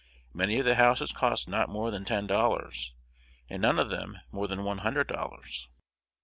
Many of the houses cost not more than ten dollars, and none of them more than one hundred dollars.